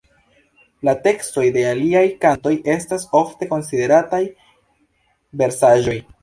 La tekstoj de liaj kantoj estas ofte konsiderataj versaĵoj.